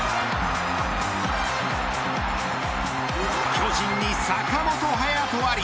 巨人に坂本勇人あり。